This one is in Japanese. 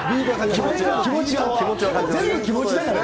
全部、気持ちだからね。